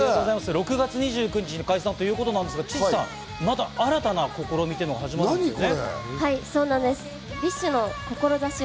６月２９日に解散ということで、また新たな試みが始まるんですよね？